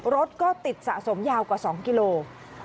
รถก็ติดสะสมยาวกว่า๒กิโลกรัม